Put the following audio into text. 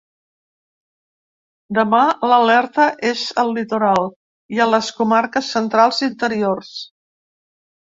Demà l’alerta és al litoral i a les comarques centrals interiors.